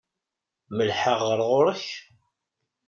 Mellḥeɣ ɣer ɣur-k?